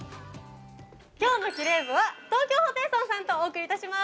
今日のキレイ部は東京ホテイソンさんとお送りいたします！